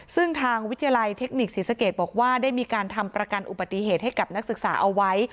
ซึ่งทางวิทยาลัยเทคนิคศรีสะเกดบอกว่าได้มีการทำประกันอุบัติเหตุให้กับนักศึกษาเอาไว้